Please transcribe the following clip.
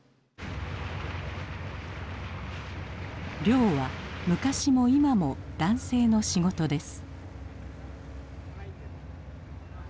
漁は昔も今も男性の仕事です。